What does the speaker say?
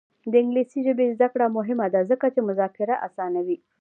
د انګلیسي ژبې زده کړه مهمه ده ځکه چې مذاکره اسانوي.